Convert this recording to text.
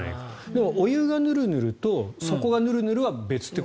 でも、お湯がヌルヌルと底がヌルヌルは別と。